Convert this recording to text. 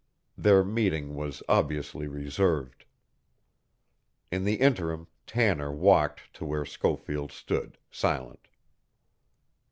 Their meeting was obviously reserved. In the interim Tanner walked to where Schofield stood, silent.